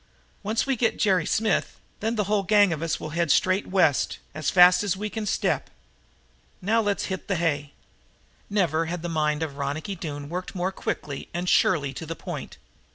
"Once we get Jerry Smith, then the whole gang of us will head straight West, as fast as we can step. Now let's hit the hay." Never had the mind of Ronicky Doone worked more quickly and surely to the point.